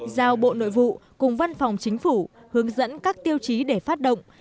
giao bộ nội vụ cùng văn phòng chính phủ hướng dẫn các tiêu chí để phát động